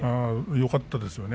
よかったですね。